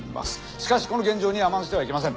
しかしこの現状に甘んじてはいけません。